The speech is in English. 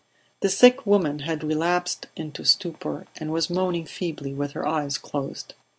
The sick woman had relapsed into stupor, and was moaning feebly with her eyes closed.